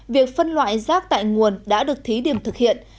việc phân loại rác tại nguồn đã được thí điểm thực hiện